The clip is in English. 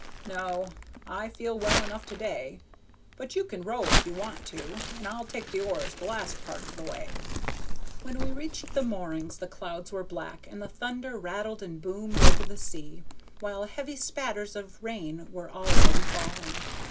No. I feel well enough to day, but you can row if you want to, and I'll take the oars the last part of the way." When we reached the moorings the clouds were black, and the thunder rattled and boomed over the sea, while heavy spatters of rain were already falling.